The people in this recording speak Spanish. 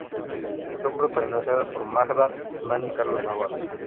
Fue protagonizada por Magda Guzmán y Carlos Navarro.